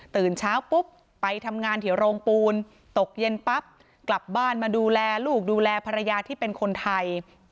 ตื่นเช้าปุ๊บไปทำงานที่โรงปูนตกเย็นปั๊บกลับบ้านมาดูแลลูกดูแลภรรยาที่เป็นคนไทย